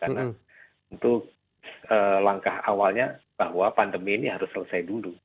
karena untuk langkah awalnya bahwa pandemi ini harus selesai dulu